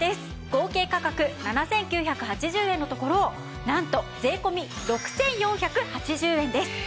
合計価格７９８０円のところなんと税込６４８０円です。